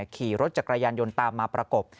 ขี่รถจักรยานยนต์ตามมาประกบ